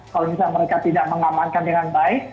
kalau misalnya mereka tidak mengamankan dengan baik